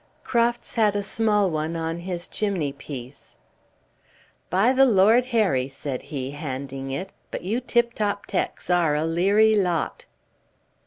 Crofts had a small one on his chimney piece. "By the Lord Harry," said he, handing it, "but you tip top 'tecs are a leery lot!"